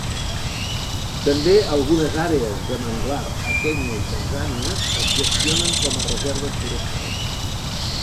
També algunes àrees de manglar a Kenya i Tanzània es gestionen com a reserves forestals.